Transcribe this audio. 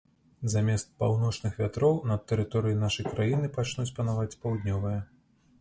Замест паўночных вятроў над тэрыторыяй нашай краіны пачнуць панаваць паўднёвыя.